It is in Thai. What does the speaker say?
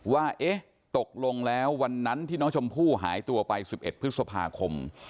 ว่าเอ๊ะตกลงแล้ววันนั้นที่น้องชมพู่หายตัวไป๑๑พฤษภาคม